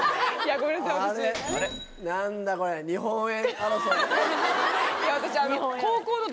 何だこれ日本円争い。